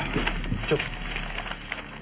ちょっと。